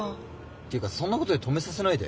ていうかそんなことで止めさせないで。